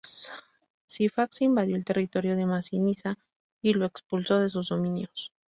Sifax invadió el territorio de Masinisa y lo expulsó de sus dominios.